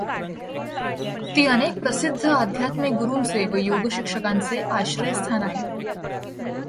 ती अनेक प्रसिद्ध आध्यात्मिक गुरूंचे व योगशिक्षकांचे आश्रयस्थान आहे.